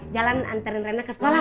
jalan anterin rina ke sekolah